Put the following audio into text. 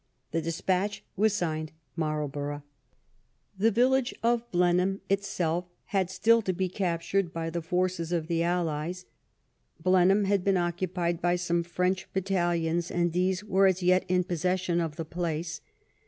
The despatch was signed " Marlborough." The village of Blenheim itself had still to be capt ured by the forces of the allies. Blenheim had been occupied by some French battalions, and these were as yet in possession of the place.